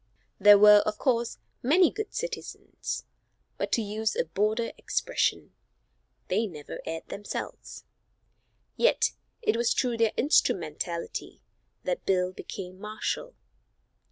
There were, of course, many good citizens, but, to use a border expression, "they never aired themselves," yet it was through their instrumentality that Bill became marshal.